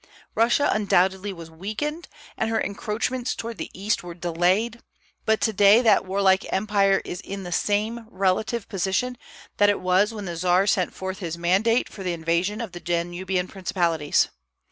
Russia undoubtedly was weakened, and her encroachments toward the East were delayed; but to day that warlike empire is in the same relative position that it was when the Czar sent forth his mandate for the invasion of the Danubian principalities.